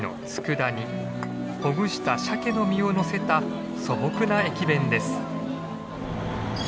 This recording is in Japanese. ほぐしたシャケの身をのせた素朴な駅弁です。